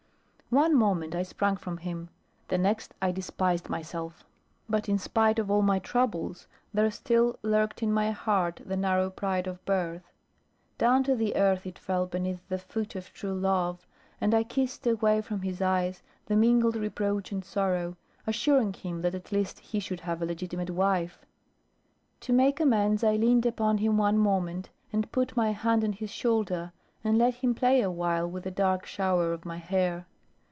One moment I sprang from him; the next I despised myself. But in spite of all my troubles, there still lurked in my heart the narrow pride of birth. Down to the earth it fell beneath the foot of true love, and I kissed away from his eyes the mingled reproach and sorrow, assuring him that at least he should have a legitimate wife. To make amends, I leaned upon him one moment, and put my hand on his shoulder, and let him play awhile with the dark shower of my hair.